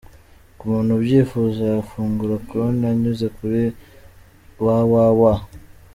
Ku muntu ubyifuza, yafungura konti anyuze kuri www.